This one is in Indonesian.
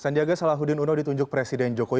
sandiaga salahuddin uno ditunjuk presiden jokowi